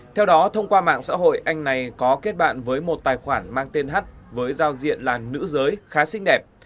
theo đó thông qua mạng xã hội anh này có kết bạn với một tài khoản mang tên h với giao diện là nữ giới khá xinh đẹp